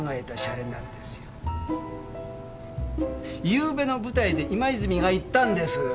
ゆうべの舞台で今泉が言ったんです。